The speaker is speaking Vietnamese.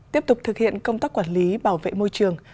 tiếp tục thực hiện công tác quản lý bảo vệ môi trường